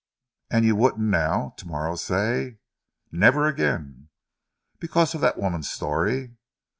"And you wouldn't now to morrow, say?" "Never again." "Because of that woman's story?"